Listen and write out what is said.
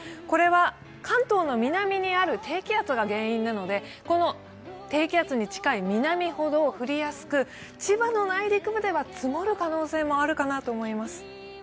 これは関東の南にある低気圧が原因なのでこの低気圧に近い南ほど降りやすく千葉の内陸部では積もる可能性もあるかなと思います。